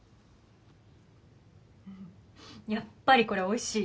やっぱりこれおいしい。